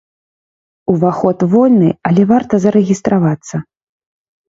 Уваход вольны, але варта зарэгістравацца.